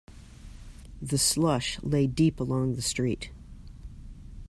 The slush lay deep along the street.